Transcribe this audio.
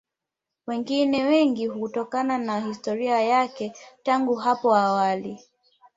Wengine wengi kutokana na historia yake tangu hapo awali